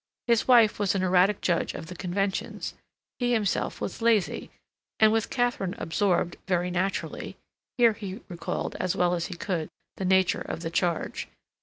His wife was an erratic judge of the conventions; he himself was lazy; and with Katharine absorbed, very naturally—Here he recalled, as well as he could, the exact nature of the charge.